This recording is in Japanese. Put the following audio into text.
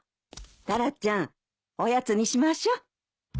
タラちゃんおやつにしましょう。